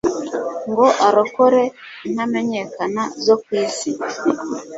ngo arokore intamenyekana zo ku isi